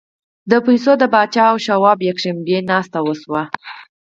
د پیسو د پاچا او شواب یکشنبې ناسته وشوه